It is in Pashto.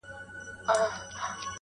څوك به اوري كرامت د دروېشانو؛